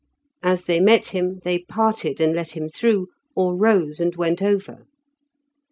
As they met him they parted and let him through, or rose and went over.